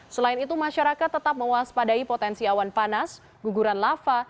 selain itu masyarakat tetap mewaspadai potensi awan panas guguran lava